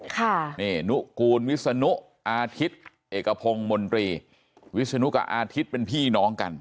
ค่ะนี่นุกูลวิศนุอาทิตย์เอกพงศ์มนตรีวิศนุกับอาทิตย์เป็นพี่น้องกัน